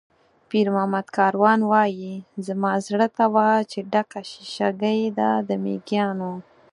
پیرمحمد کاروان وایي: "زما زړه ته وا چې ډکه شیشه ګۍ ده د مېږیانو".